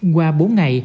qua bốn ngày